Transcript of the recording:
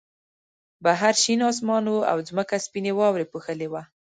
بهر شین آسمان و او ځمکه سپینې واورې پوښلې وه